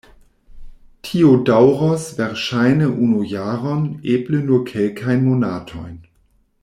Tio daŭros verŝajne unu jaron, eble nur kelkajn monatojn...